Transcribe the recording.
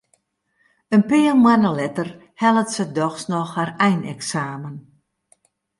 In pear moanne letter hellet se dochs noch har eineksamen.